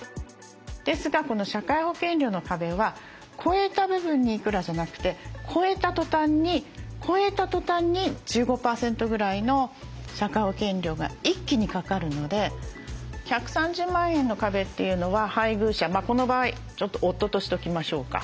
ですがこの社会保険料の壁は超えた部分にいくらじゃなくて超えたとたんに１５％ぐらいの社会保険料が一気にかかるので１３０万円の壁というのは配偶者この場合ちょっと夫としときましょうか。